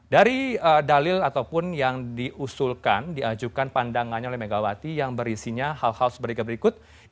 dari dalil ataupun yang diusulkan diajukan pandangannya oleh megawati yang berisinya hal hal sepertiga berikut